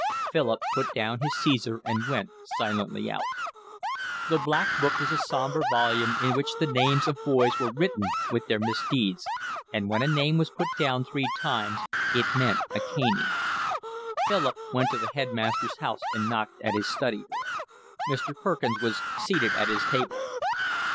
Philip put down his Caesar and went silently out. The Black Book was a sombre volume in which the names of boys were written with their misdeeds, and when a name was down three times it meant a caning. Philip went to the headmaster's house and knocked at his study door. Mr. Perkins was seated at his table.